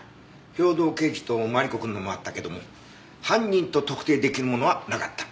兵藤刑事とマリコくんのもあったけども犯人と特定出来るものはなかった。